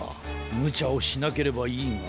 むちゃをしなければいいが。